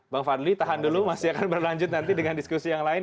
bang fadli tahan dulu masih akan berlanjut nanti dengan diskusi yang lain